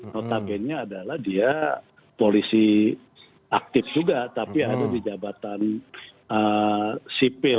notabene adalah dia polisi aktif juga tapi ada di jabatan sipil